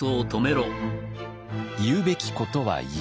言うべきことは言う。